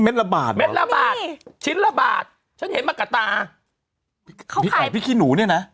ละบาทเม็ดละบาทชิ้นละบาทฉันเห็นมากะตาพริกต่อพริกขี้หนูเนี่ยนะ